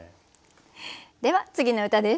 では次の歌です。